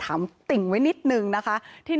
ติ่งไว้นิดนึงนะคะ